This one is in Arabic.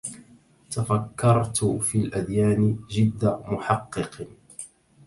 تفكرت في الأديان جد محقق